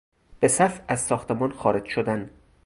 به صف از ساختمان خارج شدن